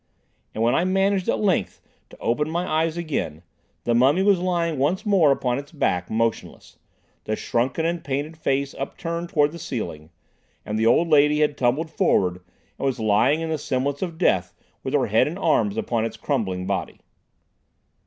And when I managed at length to open my eyes again, the mummy was lying once more upon its back, motionless, the shrunken and painted face upturned towards the ceiling, and the old lady had tumbled forward and was lying in the semblance of death with her head and arms upon its crumbling body.